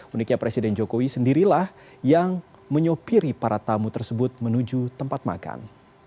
uniknya presiden jokowi sendirilah yang menyopiri para tamu tersebut menuju tempat makan